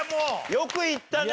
よくいったね！